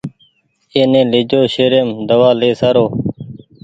ايني ليجو شهريم دوآ لي سآرون